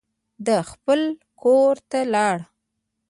ده خپل کور ته لاړ.